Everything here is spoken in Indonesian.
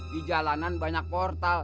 di jalanan banyak portal